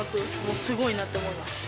すごいなと思いました。